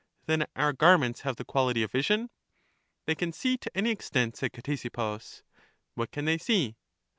Then our garments have the quality of vision. They can see to any extent, said Ctesippus. What can they see?